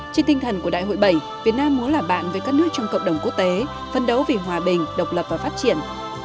trên tinh thần của đại hội bảy việt nam muốn làm bạn với các nước trong cộng đồng quốc tế phân đấu vì hòa bình độc lập và phát triển